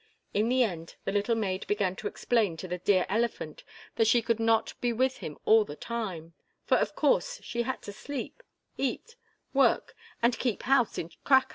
In the end the little maid began to explain to the "dear elephant" that she could not be with him all the time, for, of course, she had to sleep, eat, work, and keep house in "Cracow."